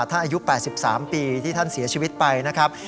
อายุ๘๓ปีที่ท่านเสียชีวิตไปนะครับ